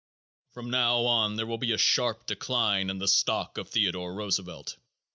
From now on there will be a sharp decline in the stock of Theodore Roosevelt.